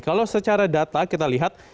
kalau secara data kita lihat